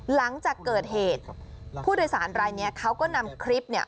หลังจากเกิดเหตุผู้โดยสารรายนี้เขาก็นำคลิปเนี่ย